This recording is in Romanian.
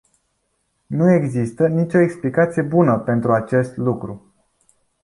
Nu există nicio explicație bună pentru acest lucru.